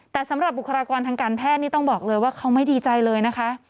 แต่สำหรับบุคลากรทางการแพทย์นี่ต้องบอกเลยว่าเขาไม่ดีใจเลยนะคะ